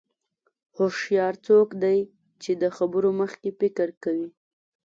هوښیار څوک دی چې د خبرو مخکې فکر کوي.